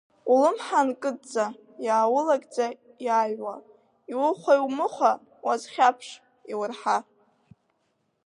Улымҳа нкыдҵа, иааулагӡа иааҩуа, иухәа-иумыхәа, уазхьаԥш, иурҳа.